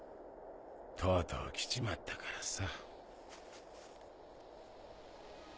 とうとう来ちまったからさ。